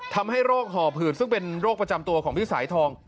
ทำให้โรคห่อผืดซึ่งเป็นโรคประจำตัวของพี่สายทอง